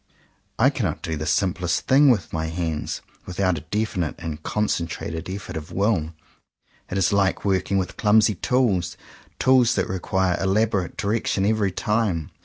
I cannot do the simplest thing with my hands without a definite and con centrated efl^ort of will. It is like working with clumsy tools; tools that require elabo rate direction every time.